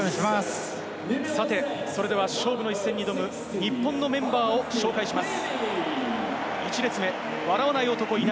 さて、それでは勝負の一戦に挑む日本のメンバーを紹介します。